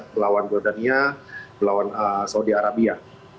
melawan jordania melawan saudi arabia